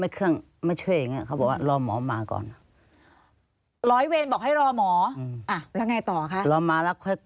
คือเนี้ยมันกินระยะเวลา